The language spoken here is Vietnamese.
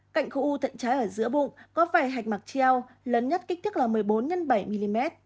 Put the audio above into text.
cạnh khu u thận trái ở giữa bụng có vải hạch mạc treo lớn nhất kích thước là một mươi bốn x bảy mm